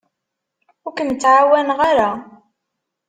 Ur kem-ttɛawaneɣ ara.